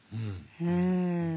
うん。